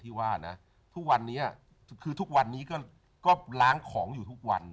ทุกวันนี้ก็ล้างของอยู่ทุกวัน